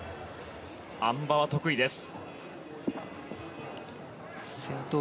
あん馬は得意です。